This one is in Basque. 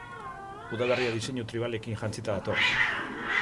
Udaberria diseinu tribalekin jantzita dator.